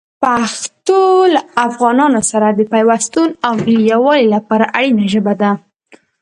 پښتو له افغانانو سره د پیوستون او ملي یووالي لپاره اړینه ژبه ده.